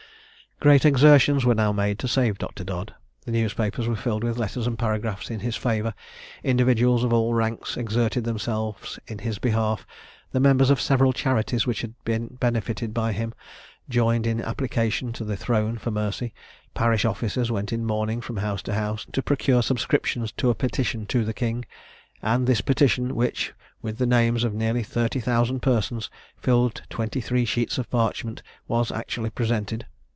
Great exertions were now made to save Dr. Dodd. The newspapers were filled with letters and paragraphs in his favour; individuals of all ranks exerted themselves in his behalf; the members of several charities which had been benefited by him joined in application to the throne for mercy; parish officers went in mourning from house to house, to procure subscriptions to a petition to the king; and this petition, which, with the names of nearly thirty thousand persons, filled twenty three sheets of parchment, was actually presented.